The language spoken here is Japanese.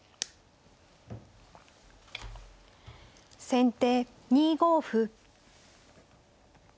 先手２五歩。